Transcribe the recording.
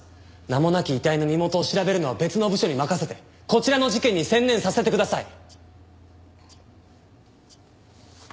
名もなき遺体の身元を調べるのは別の部署に任せてこちらの事件に専念させてください。